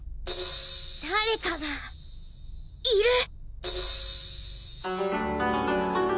誰かがいる！